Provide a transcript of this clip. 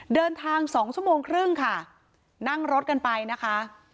เดินทางสองชั่วโมงครึ่งค่ะนั่งรถกันไปนะคะ